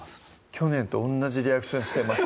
去年と同じリアクションしてます